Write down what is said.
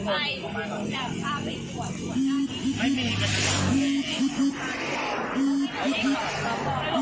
ตอนนี้ไม่ได้แล้วเพราะว่า